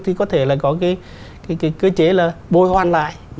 thì có thể có cái cơ chế là bồi oan lại